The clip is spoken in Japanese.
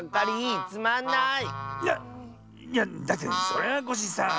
いやいやだってそれはコッシーさあ。